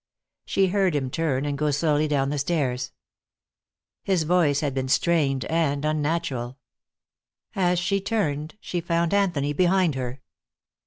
She heard him turn and go slowly down the stairs. His voice had been strained and unnatural. As she turned she found Anthony behind her.